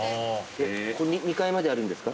２階まであるんですか？